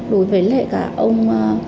đối với lại cả ông